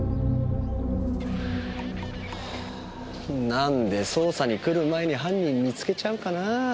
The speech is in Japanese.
何で捜査に来る前に犯人見つけちゃうかなぁ。